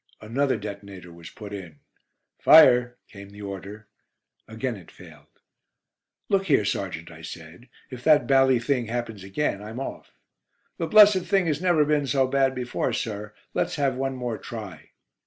Another detonator was put in. "Fire," came the order. Again it failed. "Look here, sergeant," I said, "if that bally thing happens again I'm off." "The blessed thing has never been so bad before, sir. Let's have one more try."